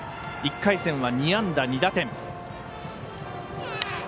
１回戦は２安打２打点。